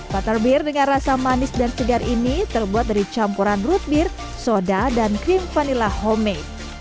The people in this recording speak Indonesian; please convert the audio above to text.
butterbeer dengan rasa manis dan segar ini terbuat dari campuran root beer soda dan krim vanila homemade